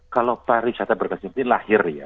kalau pariwisata berkecimpung ini lahir ya